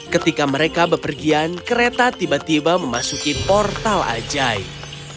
ketika mereka berpergian kereta tiba tiba memasuki portal ajaib